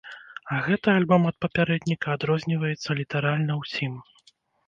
А гэты альбом ад папярэдніка адрозніваецца літаральна ўсім.